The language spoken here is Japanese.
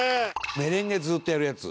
メレンゲずっとやるやつ